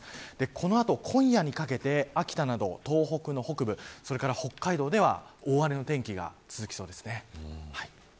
この後、今夜にかけて秋田など東北の北部それから北海道では大荒れの天気が続きそうです。